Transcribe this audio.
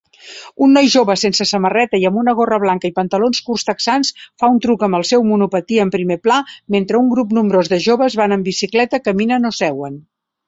Un noi jove sense samarreta i amb una gorra blanca i pantalons curts texans fa un truc amb el seu monopatí en primer pla mentre un grup nombrós de joves van en bicicleta, caminen o seuen